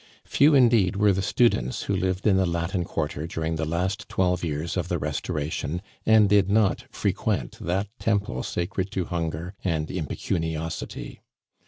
Few indeed were the students who lived in the Latin Quarter during the last twelve years of the Restoration and did not frequent that temple sacred to hunger and impecuniosity.